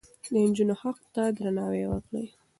د نجونو حق ته درناوی وکړه.